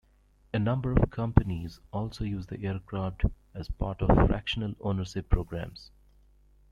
A number of companies also use the aircraft as part of fractional ownership programs.